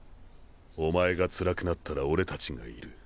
お前がつらくなったら俺たちがいる。